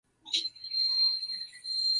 異様な空気が漂っている